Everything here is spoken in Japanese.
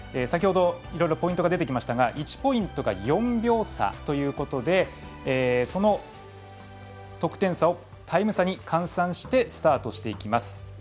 先ほど、いろいろポイントが出てきましたが１ポイントが４秒差ということでその得点差をタイム差に換算してスタートしていきます。